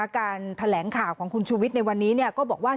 การแถลงข่าวของคุณชูวิทย์ในวันนี้ก็บอกว่า